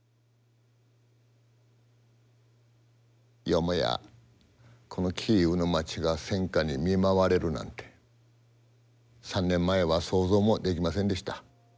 よもやこのキーウの街が戦禍に見舞われるなんて３年前は想像もできませんでした。